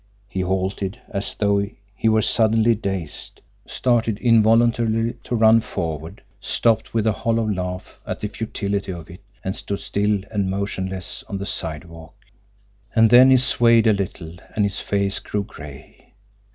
He halted, as though he were suddenly dazed started involuntarily to run forward again stopped with a hollow laugh at the futility of it and stood still and motionless on the sidewalk. And then he swayed a little, and his face grew gray.